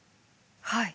はい。